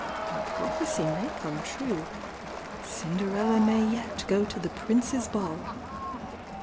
— ^your prophecy may come true — Cinderella may yet go to the Prince's Ball!